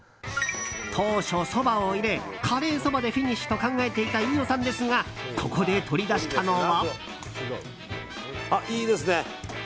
当初、そばを入れカレーそばでフィニッシュと考えていた飯尾さんですがここで取り出したのは。